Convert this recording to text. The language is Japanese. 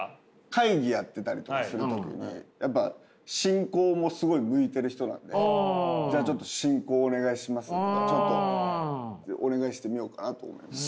会議やってたりとかする時にやっぱ進行もすごい向いてる人なんでじゃあちょっと「進行お願いします」とかちょっとお願いしてみようかなと思います。